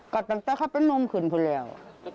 ก็ตั้งแต่เขาเป็นโมงขึนพูดแล้ว